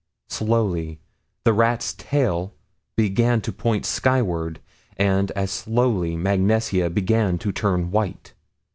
Slowly the rat's tail began to point skyward; and as slowly Mag Nesia began to turn white.